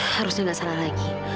harusnya nggak salah lagi